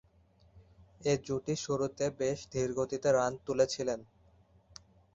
এ জুটি শুরুতে বেশ ধীরগতিতে রান তুলেছিলেন।